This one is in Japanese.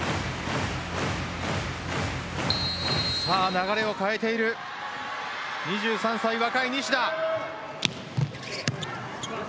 流れを変えている２３歳、若い西田。